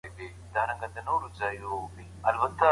زعفران د افغانستان غوره محصول و.